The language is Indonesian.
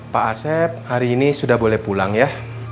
pak asep hari ini sudah boleh pulang ya